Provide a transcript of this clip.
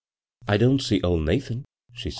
I don't see old Nathan," she said.